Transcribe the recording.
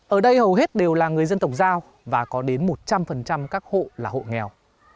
ở đây hầu hết đều là người dân tổng giao và có đến một trăm linh các hộ là hộ nghèo